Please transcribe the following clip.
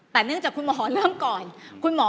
แต่เนื่องจากคุณหมอเริ่มก่อน